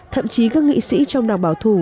thậm chí các nghị sĩ trong đảng bảo thủ